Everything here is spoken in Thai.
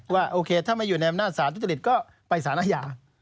ว่าโอเคถ้าไม่อยู่ในอำนาจสารทุจริตก็ไปสารอาญา